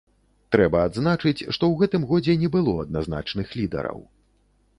Трэба адзначыць, што ў гэтым годзе не было адназначных лідараў.